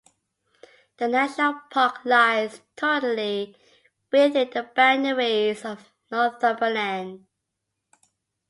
The national park lies totally within the boundaries of Northumberland.